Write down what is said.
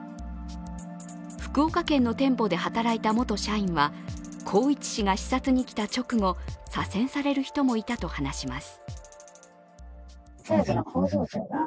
福岡県の店舗で働いた元社員は宏一氏が視察に来た直後、左遷される人もいたと話します。